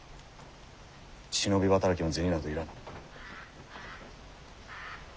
忍び働きの銭など要らん。